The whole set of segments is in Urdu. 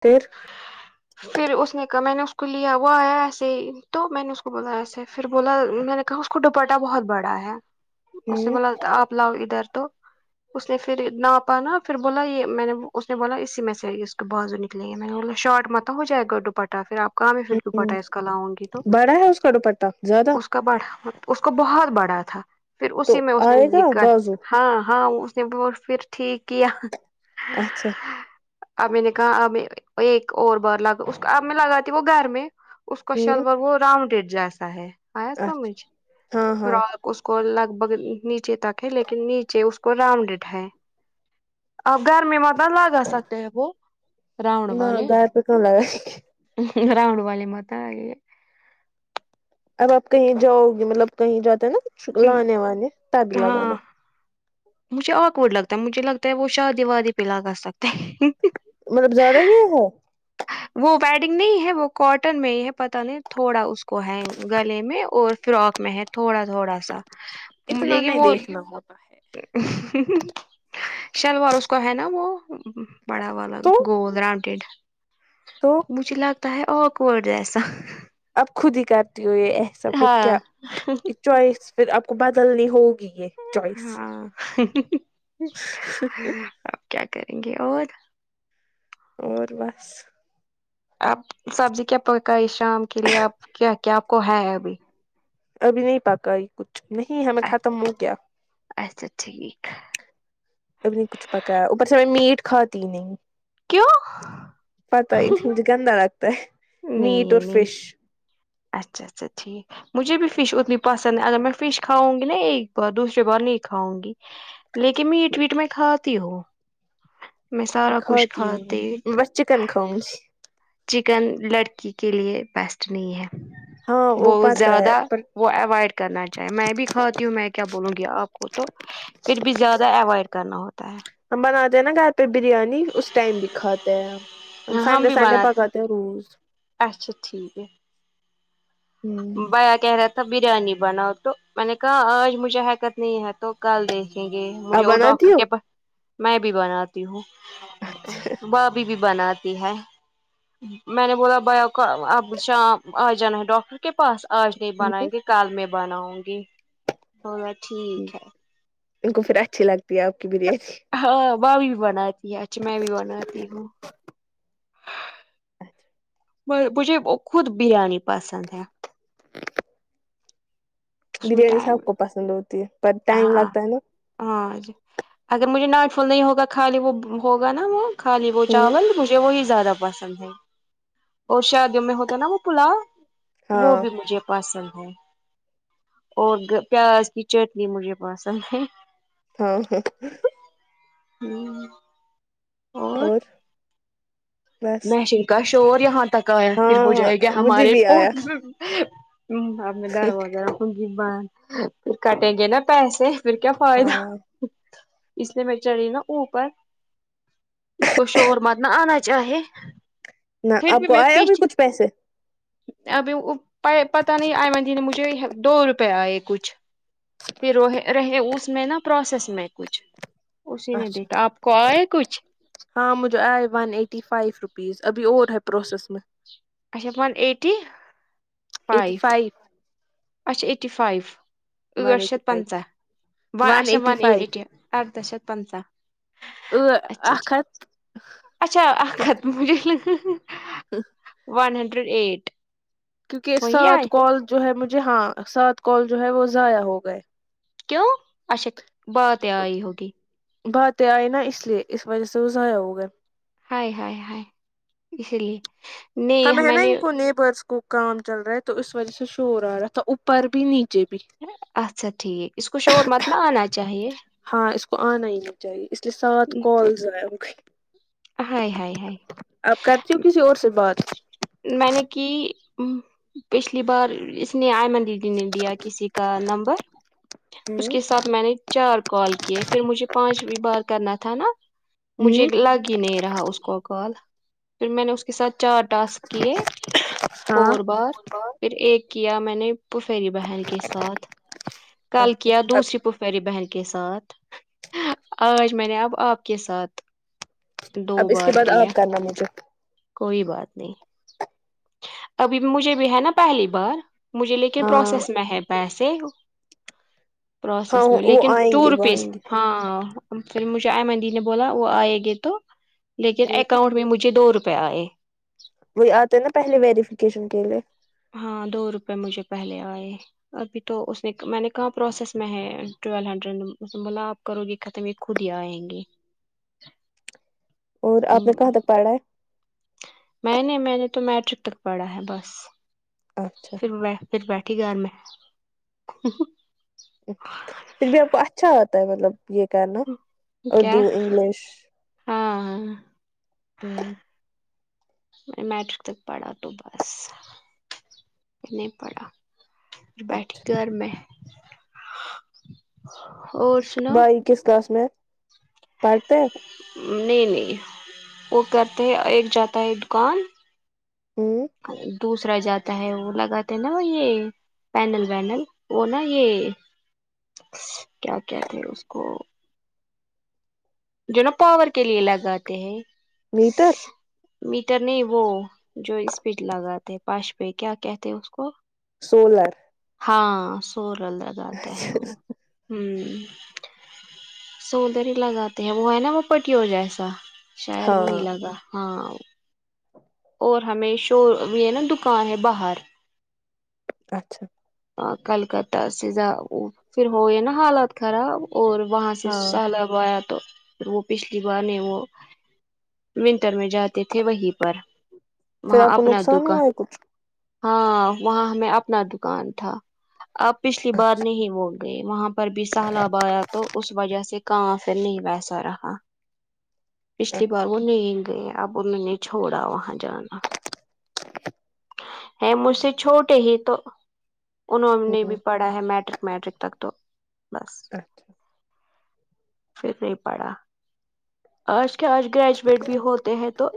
تھر پھر اس نے کہا میں نے اس کو لیا وہ آیا ایسے ہی تو میں نے اس کو بولا ایسے پھر بولا میں نے اس کو دوپٹا بہت بڑا ہے اس نے ہوں بولا آپ لاؤ ادھر تو اس نے پھر ناپا نا پھر بولا یہ میں نے اس نے بولا اسی میں سے آئی اس کو بازو نہیں لے میں نے شارٹ مت تو ہو جائے گا دوپٹا پھر آپ کہاں میں پھر ڈوپٹا اس کا لاوں گی تو بڑا ہے اس کا دوپٹہ زیادہ اس ڑا اس کو بہت بڑا تھا پھر اسی تو میں اس نے آئے گا نکل بازو ہاں ہاں اس نے ب پھر ٹھیک کیا اچھا اب میں نے کہا اب ایک اور بار لگا اب میں لگاتی وہ گھر میں اس کو ہوں شلوار وہ راؤنڈ جیسا ہے آیا سمجھ اچھا ہاں ف ہاں اس کو لگ بھگ نیچے تک ہے لیکن نیچے اس کو راؤنڈڈ ہے اب گھر میں مت لاگا سکتے ہیں وہ رؤنڈ نہ والے گھر پہ کہاں لگا رؤنڈ والے مت لے اب آپ کہیں جاؤ گی مطلب کہیں جاتے ہیں نا لانے وانے تبھی ہاں لگانا مجھے آکورڈ لگتا ہے مجھے لگتا ہے وہ شادی وادی پلاگا سکتا ہے مطلب زیادہ ہی ہے وہ وہ ویڈنگ نہیں ہے وہ کاٹن میں ہی ہے پتا نہیں تھوڑا اس کو ہے گلے میں اور فراک میں ہے تھوڑا تھوڑا سا لیکن وہ نگ ہےے [unintelligible] شلوار اس کو ہے نا وہ بڑا والا تو گول راڈڈ تو مجھے لگتا ہے آکورڈ جسا آپ خود ہی کرتی ہو یہ ایسا پھر ہاں کیا چوائس پھر آپ کو بدلنی ہوگی یہ چوائس ہاں اب کیا کریں گے اور اور بس آپ سبزی کیا پکائی شام کے لیے آپ کیا کیا آپ کو ہے ابھی ابھی نہیں پکائی کچھ نہیں ہےمیں ختم ہو گیا اچھا ٹھیک ہے تم نے کچھ پکایا اوپر سے میں میٹ کھاتی نہیں ہو کیوں پتا ہی نہیں مجھے گندا لگتا ہے میٹ اور نہیں نہیں فش اچھا اچھا ٹھیک مجھے بھی فش اتنی پسند اگر میں فش کھاؤں گی نا ایک بار دوسرے بار نہیں کھاؤں گی لیکن میٹ ویٹ میں کھاتی ہوں میں سارا کچھ کھاتی نہیں کھاتے میں بس چکن کھاوگی چکن لڑکی کے لیے بیسٹ نہیں ہے ہاں وہ بہت پتہ ہے زیادہ پر وہ اوائڈ کرنا چاہے میں بھی کھاتی ہوں میں کیا بولوں گی آپ کو تو فیر بھی زیادہ اوائڈ کرنا ہوتا ہے ہم بناتے نا گھر پے بریانی اس ٹائم بھی کھاتے ہیں ہم ہے سنڈے بھی سنڈے بناتے پکاتے ہیں روز اچھا ٹھیک ہوں بھیا کہہ رہا تھا بریانی بناؤ تو میں نے کہا آج مجھے حرکت نہیں ہے تو کل دیکھیں گے آپ مجھے وہ بناتی ڈاکٹر ہو کے پا میں بھی بناتی ہوں بابی بھی بنات تی ہے میں نے بولا بھیا کو اب شام آ جانا ڈاکٹر کے پاس آج نہیں بنائیں گے کال میں بناؤں گی بولا ٹھیک ہے ان کو فیر اچھی لگتی ہے آپ کی بریانی ہاں بابی بناتی ہے اچھی میں بھی بناتی ہوں [inaudible] میں مجھے خود بریانی پسند ہے اس میں بریانی سب ٹائم کو پسند ہوتی ہے پر ٹائم ہاں لگتا ہے نا ہاں ج اگر مجھے نائٹ فول نہیں ہوگا خالی وہ ہوگا نا وہ خالی وہ ہمم چاول مجھے وہی زیادہ پسند ہے اور شادیوں میں ہوتا ہے نا وہ پلاؤ وہ ہاں بھی مجھے پسند ہے اور پیاز کی چٹ نی مجھے پسند ہے ہی۔ ہی۔ ہی ہوں اور بس محشر کا شور یہاں تک آیا ہاں پھر ہو ہاں جائے گا مجھے ہمارے بھی آیا پوز آمم اب میں ڈر وغیرا باند پھر کٹیں گے نا پیسے پھر کیا فائدہ ہاں اس لیے میں چڑھی نا اوپر اس کو شورمت نا آنا چاہے نہ پھر آپ بھی کو میں آیا ابھی پیچے کچھ پیسے ابھی اوپ پے پتا نہیں آئمن دیدی نے مجھے دو روپے آئے کچھ پھر رو ہے رہے اس میں نا پروسیس میں کچھ اسی نے اچھا دیکھا آپ کو آئے کچھ ہاں مجھے آئے ون ایٹی فائیو روپیز ابھی اور ہے پروسیس میں اچھا ون ایٹی ایٹی فائیو اچھا ایٹی فائیف [unintelligible] ون ایٹی اچھا فائیو ون ایٹی فائیو اچھا اکھ ہتھ اچھا آ ختم ہوں ون ہنڈریڈ ایٹ کیونکہ وہی سات آئے کال جو ہے مجھے ہاں سات کال جو ہے وہ ضائع ہو گئے کیوں اچھا بات آئی ہوگی باتیں آئی نا اس لیے اس وجہ سے وہ ضائع ہو گئے ہائے ہائے ہائےاس لیے ہم نہیں ہے میں نا نے ان کو نیبرس کو کام چل رہا ہے تو اس وجہ سے شور آ رہا تھا اوپر بھی نی اچھا ٹھیک اس کو شور مت نہ آنا چاہیے ہاں اس کو آنا ہی نہیں چاہیے اس لیے سات کالز ضائع ہوگئے ہاے ہاے ہاے آپ کرتی ہو کسی اور سے بات میں نے کی پچھلی بار اس نے ایمن دی دی نے دیا کسی کا نمبر ہوں اس کے ساتھ میں نے چار کال کیے پھر مجھے پانچویں بار کرنا تھا نا مجھے ہوں لگ کے نہیں رہا اس کو کال پھر میں نے اس کے ساتھ چار ٹاسک کیے ہاں فور بار پھر ایک کیا میں نے پوفیری بہن کے ساتھ کل اچھا کیا اب دوسری پوفری بہن کے ساتھ آج میں نے اب آپ کے ساتھ دو بار کیا ورنہ مجھے کوئی بات نہیں ابھی مجھے بھی ہے نا پہلی بار مجھے لے کے ہاں پروسیس میں ہے پیسے ہاں پروسیس میں وہ لیکن آئیں ٹو گے وہ آئیں روپیز ہاں پھر مجھے آئمندی نے بولا وہ آئے گے تو لیکن گے اکاؤنٹ میں مجھے دو روپئے آئے وہ آتے ہیں نا پہلے ویریفیکیشن کے لیے ہاں دو روپئے مجھے پہلے آئے ابھی تو اس نے میں نے کہاں پروسیس میں ہے ٹویل ہنڈریڈ بولا آپ کرو گے ختم یہ خود ہی آئیں گے اور آپ ہم، نے کہاں تک پڑھا ہے میں نے میں نے تو میٹرک تک پڑھا ہے بس اچھا پھر بیٹھ پھر بیٹھی گھر میں پھر بھی آپ کو اچھا آتا ہے مطلب یہ کرنا کیا اردو انگلش ہاں ہاں ہوں میں میٹرک تک پڑھا تو بس نہیں پڑھا بیٹھی گھر میں اور سناؤ بھائی کس کلاس میں پڑھتے ہیں نہیں نہیں وہ کرتے ہے ایک جاتا ہے دکان ہوں دوسرا جاتا ہے وہ لگاتے ہیں نا وہ یہ پینل وینل وہ نا یہ کیا کہتے اس کو جو نا پاور کے لیے لگاتے ہیں میٹر میٹر نہیں وہ جو اسپیڈ لگاتے پانچ پہ کیا کہتے اس کو سولر ہاں سولر لگاتا ہے وہ ہوں سولر ہی لگاتے ہیں وہ ہے نا وہ پٹیو جیسا شاید ہاں وہی لگا ہاں اور ہمیں شور بھی ہے نا دکان ہے باہر اچھا کلکتہ سے ز پھر ہویا نا حالات خراب اور وہاں سے ہاں سالب وہ آ یا تو وہ پچھلی بار نہیں وہ ونٹر میں جاتے تھے وہیں پر پھر وہاں آپ کو اپنا نقصان دکا ہوا ہے کچھ ہاں وہاں ہمیں اپنا دکان تھا آپ پچھلی بار اچھا نہیں بول گئے وہاں پر بھی سہلاب آیا تو اس وجہ سے کہاں فر نہیں ویسا رہا پچھلی بار وہ نہیں گئے اب انہوں نے چھوڑا وہاں جانا ہے مجھ سے چھوٹے ہی تو انہوں نے بھی ہوں پڑھا ہے میٹرک میٹرک تک تو بس اچھا پھر نہیں پڑا آج کیا آج گریجویٹ بھی ہوتے ہیں تو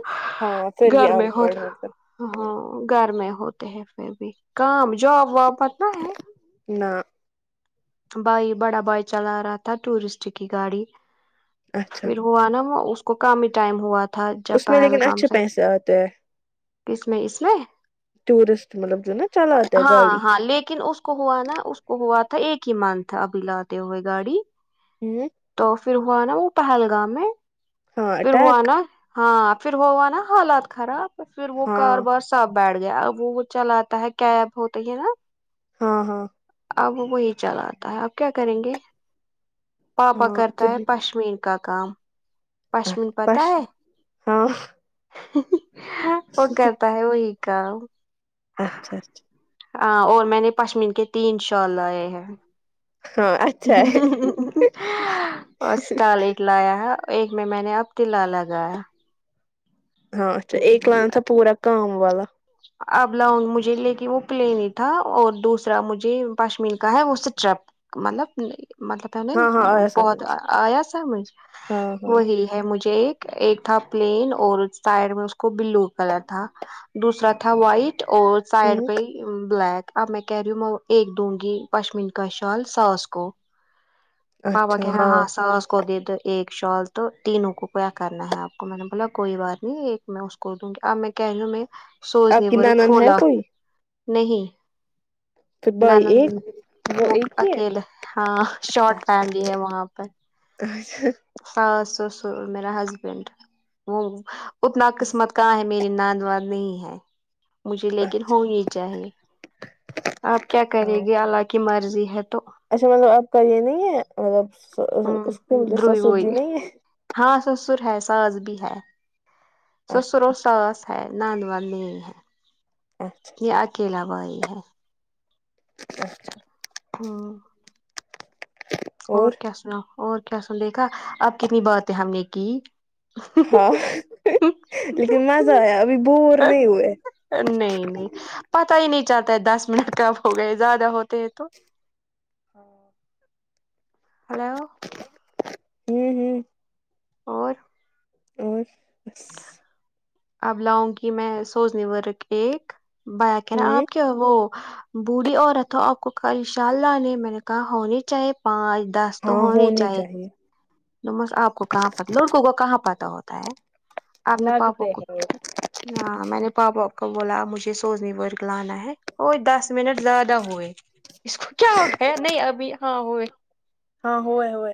ہاں پھر بھی گھر میں ان پڑھ ہوتا مطلب ہاں گھر میں ہوتے ہیں پھر بھی کام جاب واب مطل نہ بائی بڑا بائی چلا رہا تھا ٹورسٹ کی گاڑی اچھا پھر ہوا نا وہ اس کو کامی ٹائم ہوا تھا جب اس میں لیکن پہلگام اچھے سے پیسے آتے ہیں کس میں اس میں ٹورسٹ مطلب جو نا چلاتا ہے ہاں گاڑی ہاں لیکن اس کو ہوا نا اس کو ہوا تھا ایک ہی منتھ ابھی لاتے ہوئے گاڑی ہوں تو پھر ہوا نا وہ پہلگام میں ہاں پھر ہوا اٹیک نا ہاں پھر ہو ہوا نا حالات خراب پھر وہ ہاں کاروبار سب بیٹھ گیا اب وہ وہ چلا تا ہے کیب ہوتی ہے نا ہاں ہاں اب وہی چل آتا ہے اب کیا کریں گے پاپا ہاں کرتا ہے پشمیر کا کام پشمین پتہ پش ہے ہاں ہ ہ وہ کر تا ہے وہی کام اچھا اچھا اں اور میں نے پشمین کے تین شال لائے ہیں ہاں اچھا ہ ہ ہے ہ اورسٹال ایک لایا ہے ایک میں میں نے اب تلا لگایا ہاں اچھا ایک لان تھا پورا کام والا اب لاؤگ مجھے لیکن وہ پلین ہی تھا اور دوسرا مجھے پشمین کا ہے وہ اسٹرپ مطلب مطلب ہے نے ہاں ہاں آیا بہت سمجھ آیا سمجھ ہاں ہاں وہی مجھے ایک ایک تھا پلین اور سائڈ میں اس کو بلو کلر تھا دوسرا ت ھا وائٹ اور سا ئیڈ ہ پے بلیک اب میں کہر ہی ہوں میں وہ ایک د ونگی پشمین کاشال ساس کو پاپا کہہ رہے ہیں ہاں ساس کو دیدے ایک شال تو تینوں کو کیا کرنا ہے آپ کو میں نے بولا کوئی بات نہیں ایک میں اس کو دوں گی آپ میں کہہ نا میں سوزنے آپ کی ورک نانند ہے فھولا کوئی نہیں پھر بھائی نند ایک وہ ایک ہی ہے اکیلا ہاں شارٹ فیملی ہے وہاں پر اچھا ساس سسر میرا ہسبینڈ وہ اتنا قسمت کہاں ہے م میری نند وند نہیں ہے مجھے لیکن اچھا ہونی چاہیے آپ کیا کرے گی اللہ کی مرضی ہے تو اچھا مطلب آپ کا یہ نہیں ہے مطلب ہمم اس دروئی وہی سسرجی نہیں ہے ہاں سسر ہے ساس بھی ہے سسر اچھا اور ساس ہے نند وند نہیں ہے اچھا یہ اکیلا بھائی ہے اچھا ہوں اور کیا سناو اور کیا سنو دیکھا اب کتنی باتیں ہم نے کی ہاں لیکن مزہ آیا ابھی بور نہیں ہوئے نہیں نہیں پتا ہی نہیں چلتا ہے دس منٹ کب ہو گئے زیادہ ہوتے ہیں تو ہاں ہلو ہوں ہوں اور اور بس اب لاؤں گی میں سوزنی ورک ایک بیا کہ رہا ہوں آپ کے وہ بوڑھی عورت ہو آپ کو انشاء اللہ نے میں نے کہا ہونی چاہیے پانچ دس تو ہاں ہونے ہونی چاہیے توس آپ کو کہاں پ لڑکوں کو کہاں پتا ہوتا ہے آپ میں پاپوں لگتے کو ہیں ہاں میں نے پاپا کا بولا مجھے سوزنی ورک لانا ہے ہو دس منٹ زیادہ ہوئے اس کو کیا ہو گیا نہیں ابھی ہاں ہوئے ہاں ہوئے ہوئے